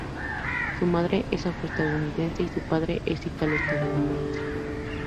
Su madre es afroestadounidense y su padre es ítalo-estadounidense.